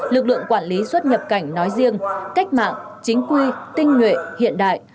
lực lượng quản lý xuất nhập cảnh nói riêng cách mạng chính quy tinh nguyện hiện đại